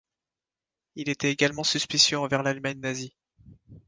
Il était également suspicieux envers l'Allemagne nazie.